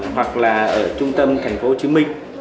hoặc là ở trung tâm tp hcm